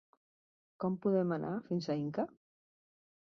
Com podem anar fins a Inca?